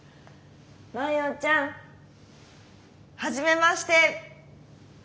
真与ちゃん初めまして。